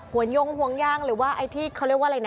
วนยงห่วงยางหรือว่าไอ้ที่เขาเรียกว่าอะไรนะ